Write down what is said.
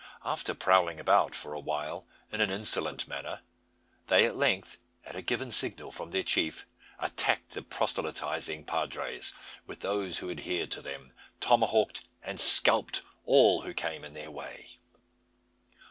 After prowling about for a while in an insolent manner, they at length, at a given signal from their chief, attacked the proselytising padres, with those who adhered to them; tomahawked and scalped all who came in their way.